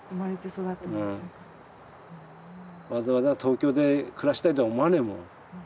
わざわざ東京で暮らしたいとは思わねえもん。